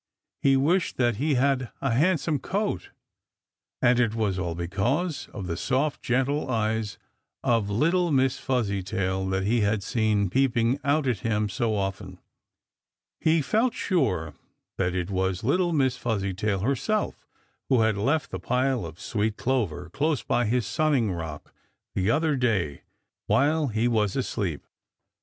He wished that he had a handsome coat. And it was all because of the soft, gentle eyes of little Miss Fuzzytail that he had seen peeping out at him so often. He felt sure that it was little Miss Fuzzytail herself who had left the pile of sweet clover close by his sunning bank the other day while he was asleep.